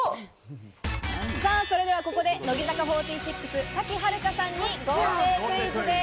それではここで、乃木坂４６・賀喜遥香さんに豪邸クイズです。